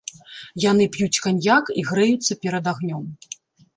Яны п'юць каньяк і грэюцца перад агнём.